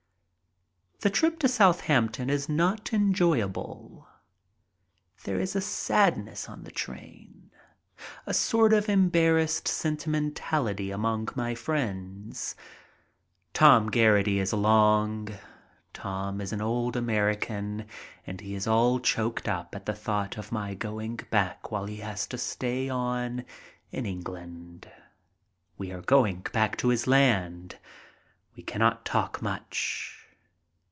The trip to Southampton is not enjoyable. There is a sadness on the train. A sort of embarrassed sentimentality among my friends. Tom Geraghty is along. Tom is an old American and he is all choked up at the thought of my going back while he has to stay on in England. We are going back to his land. We cannot talk much.